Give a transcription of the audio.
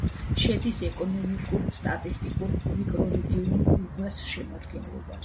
შედის ეკონომიკურ-სტატისტიკურ მიკრორეგიონ უბას შემადგენლობაში.